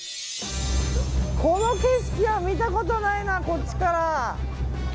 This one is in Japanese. この景色は見たことないなこっちから。